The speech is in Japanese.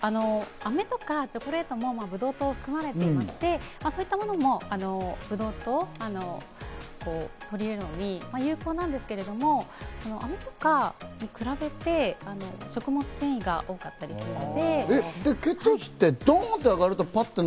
アメとかチョコレートもブドウ糖が含まれていまして、そういったものもブドウ糖を取り入れるのに有効なんですけど、アメとかに比べて食物繊維が多かったりするので。